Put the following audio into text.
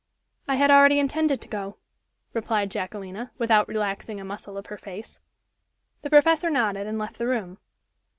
"I had already intended to go," replied Jacquelina, without relaxing a muscle of her face. The professor nodded and left the room.